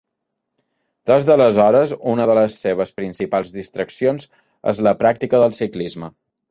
Des d'aleshores, una de les seves principals distraccions és la pràctica del ciclisme.